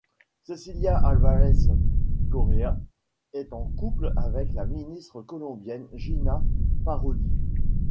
Cecilia Álvarez Correa est en couple avec la ministre colombienne Gina Parody.